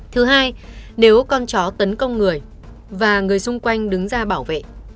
thứ hai nếu con chó tấn công người và người xung quanh đứng ra bảo vệ